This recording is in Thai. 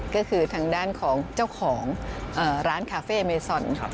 ก็คือทางด้านของเจ้าของร้านคาเฟ่เมซอน